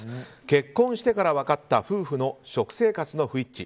結婚してから分かった夫婦の食生活の不一致